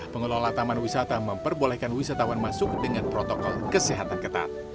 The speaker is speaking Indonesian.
pengelola taman wisata memperbolehkan wisatawan masuk dengan protokol kesehatan ketat